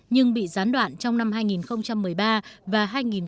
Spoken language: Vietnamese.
nhưng bị gián đoạn trong năm hai nghìn một mươi ba và hai nghìn một mươi bảy